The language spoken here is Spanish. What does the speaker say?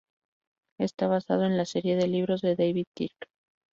Está basado en la serie de libros de David Kirk.